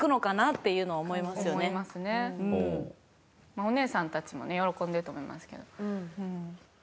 お姉さんたちもね喜んでいると思いますけど。